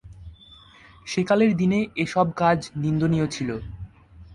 সেকালের দিনে এসব কাজ নিন্দনীয় ছিল।